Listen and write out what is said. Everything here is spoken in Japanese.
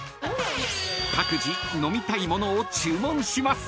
［各自飲みたい物を注文します］